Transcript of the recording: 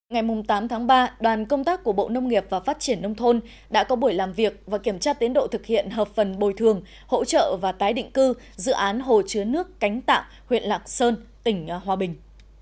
ngày tám tháng ba đoàn công tác của bộ nông nghiệp và phát triển nông thôn đã có buổi làm việc và kiểm tra tiến độ thực hiện hợp phần bồi thường hỗ trợ và tái định cư dự án hồ chứa nước cánh tạng huyện lạc sơn tỉnh hòa bình